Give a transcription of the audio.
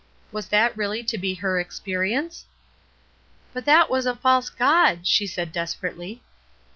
Was that really to be her ex perience ? "But that was a false God!'' she said desperately.